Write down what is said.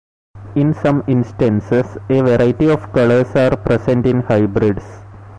In some instances, a variety of colors are present in hybrids.